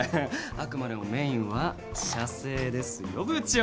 あくまでもメインは写生ですよ部長。